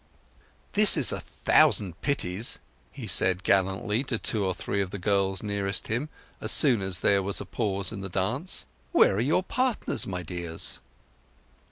"This is a thousand pities," he said gallantly, to two or three of the girls nearest him, as soon as there was a pause in the dance. "Where are your partners, my dears?"